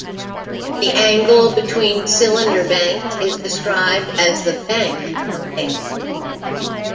The angle between cylinder banks is described as the "bank angle".